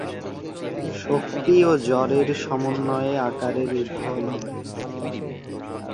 শক্তি ও জড়ের সমন্বয়ে আকারের উদ্ভব হয়।